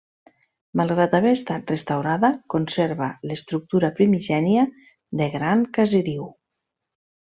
Malgrat haver estat restaurada conserva l'estructura primigènia de gran caseriu.